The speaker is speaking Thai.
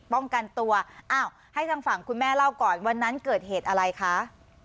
ป้องกันตัวอ้าวให้ทางฝั่งคุณแม่เล่าก่อนวันนั้นเกิดเหตุอะไรคะ